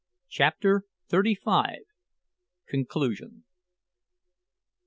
CHAPTER THIRTY FIVE. CONCLUSION.